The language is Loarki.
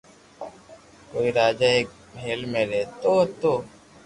ڪوئي راجا ايڪ مھل ۾ رھتو ھتو